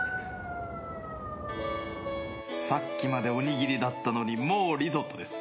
さっきまでおにぎりだったのにもうリゾットです。